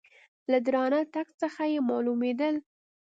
له درانه تګ څخه یې مالومېدل .